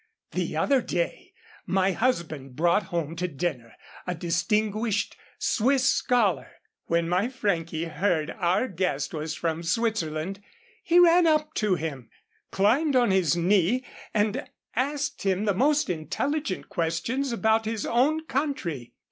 "The other day my husband brought home to dinner a distinguished Swiss scholar. When my Frankie heard our guest was from Switzerland, he ran to him, climbed on his knee, and asked him the most intelligent questions about his own country.